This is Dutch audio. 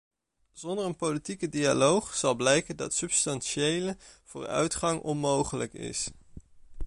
Zonder een politieke dialoog zal blijken dat substantiële vooruitgang onmogelijk is.